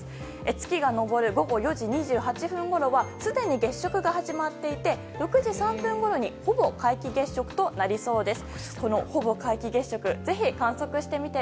月が上る午後４時２８分ごろはすでに月食が始まっていて６時３分ごろにほぼ皆既月食となりそうです。